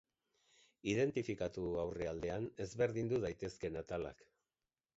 Identifikatu aurre aldean ezberdindu daitezken atalak